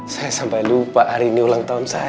saya sampai lupa hari ini ulang tahun saya